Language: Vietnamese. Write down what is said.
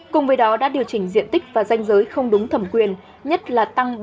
cùng với đó đã điều chỉnh diện tích và danh giới không đúng thẩm quyền nhất là tăng bốn ba ha của ba trăm linh ha